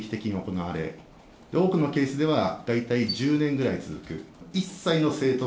家庭内で極めて定期的に行われ、多くのケースでは、大体１０年ぐらい続く。